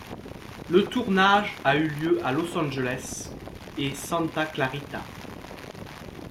Le tournage a eu lieu à Los Angeles et Santa Clarita.